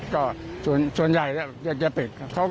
ก็ส่วนใหญ่จะปิดเขากลัว